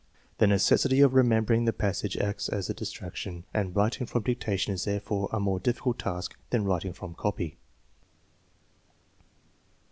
The necessity of remem bering the passage acts as a distraction, and writing from dictation is therefore a more difficult task than writing from copy.